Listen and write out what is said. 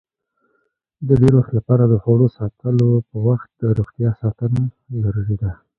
د ډېر وخت لپاره د خوړو ساتلو په وخت روغتیا ساتنه ضروري ده.